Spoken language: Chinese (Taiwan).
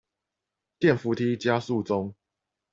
電扶梯加速中